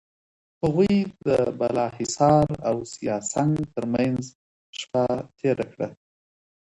هغوی د بالاحصار او سیاه سنگ ترمنځ شپه تېره کړه.